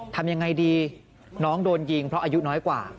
ทำยังไงดีน้องโดนยิงเพราะอายุน้อยกว่า